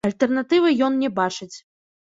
Альтэрнатывы ён не бачыць.